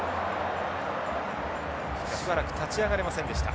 しばらく立ち上がれませんでした。